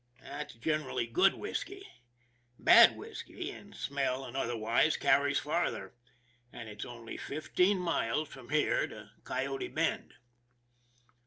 That's generally good whisky. Bad whisky, in smell and otherwise, carries farther and it's only fifteen miles from here to Coyote Bend!